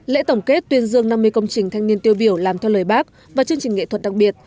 lễ tổng kết tuyên dương năm mươi công trình thanh niên tiêu biểu làm theo lời bác và chương trình nghệ thuật đặc biệt